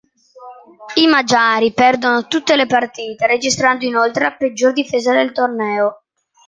I magiari perdono tutte le partite, registrando inoltre la peggior difesa del torneo.